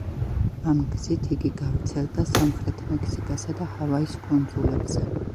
ამ გზით იგი გავრცელდა სამხრეთ მექსიკასა და ჰავაის კუნძულებზე.